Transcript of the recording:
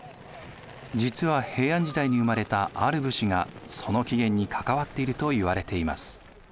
実は平安時代に生まれたある武士がその起源に関わっているといわれています。